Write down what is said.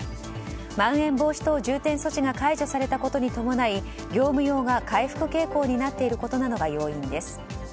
まん延防止等重点措置が解除されたことに伴い業務用が回復傾向になっていることなどが要因です。